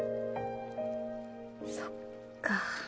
そっか。